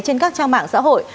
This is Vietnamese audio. trên các trang mạng xã hội